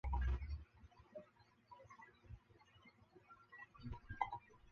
还有另一种传播方式是母亲在生产时给婴孩。